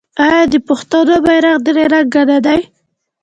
آیا د پښتنو بیرغ درې رنګه نه دی؟